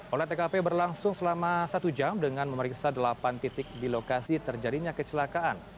olah tkp berlangsung selama satu jam dengan memeriksa delapan titik di lokasi terjadinya kecelakaan